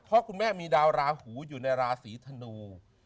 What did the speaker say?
เพราะคุณแม่มีดาวราหูอยู่ในราศีธนู